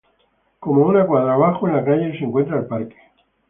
Como a una cuadra abajo, en la calle, se encuentra el parque.